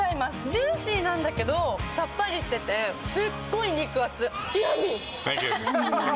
ジューシーなんだけどさっぱりしててすっごい肉厚。